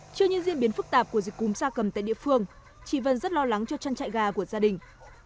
trước những diễn biến phức tạp của dịch cúm gia cầm tại địa phương chị vân rất lo lắng cho chăn chạy gà của gia đình